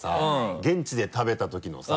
現地で食べたときのさ